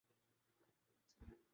قرار دے میںسوچتاہوں کہ ہماری ریاست